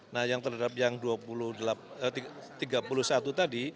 nah yang terhadap yang tiga puluh satu tadi